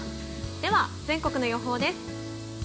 では全国の予報です。